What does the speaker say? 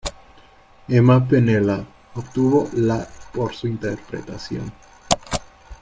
Emma Penella obtuvo la por su interpretación.